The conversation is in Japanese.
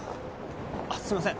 ・あっすいません